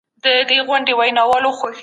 له ماشوم سره تاوتریخوالی مه کوئ.